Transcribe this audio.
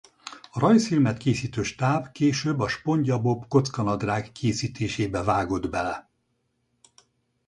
A rajzfilmet készítő stáb később a Spongyabob Kockanadrág készítésébe vágott bele.